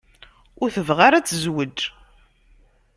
Ur tebɣi ara ad tezweǧ.